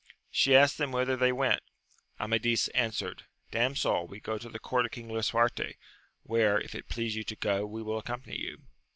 She asked them whither they went. Amadis answered. Damsel, we go to the court of King Lisuarte, where, if it please you to go, we will accom pany you.